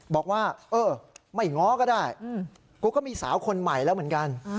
บอกว่าเออไม่ง้อก็ได้กูก็มีสาวคนใหม่แล้วเหมือนกัน